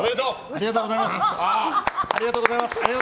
ありがとうございます！